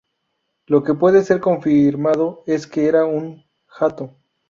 Lo que puede ser confirmado es que era un hato.